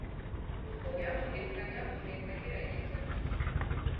nyamuneka nyamuneka gerageza, buri gihe